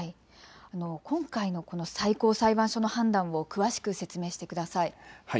今回の最高裁判所の判断を詳しく説明してください。